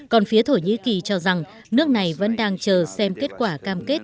còn phía thổ nhĩ kỳ cho rằng nước này vẫn đang chờ xem kết quả cam kết